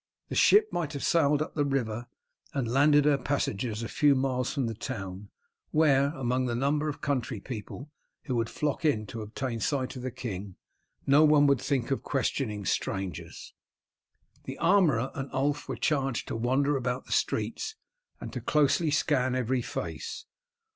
The ship might have sailed up the river and landed her passengers a few miles from the town, where, among the number of country people who would flock in to obtain sight of the king, no one would think of questioning strangers. The armourer and Ulf were charged to wander about the streets, and to closely scan every face.